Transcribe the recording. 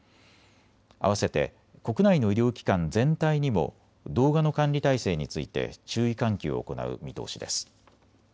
あわせて国内の医療機関全体にも動画の管理体制について注意喚起を行う見通しです。